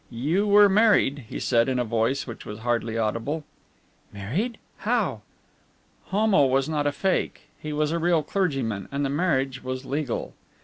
"You were married," he said, in a voice which was hardly audible. "Married? How?" "Homo was not a fake! He was a real clergyman! And the marriage was legal!"